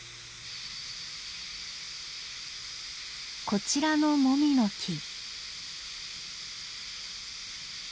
こちらのモミの木。